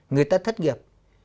người ta thất nghiệp